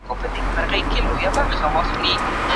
څېړونکی د متن ژبنی جوړښت ارزوي.